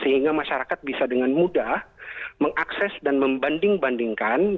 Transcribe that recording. sehingga masyarakat bisa dengan mudah mengakses dan membanding bandingkan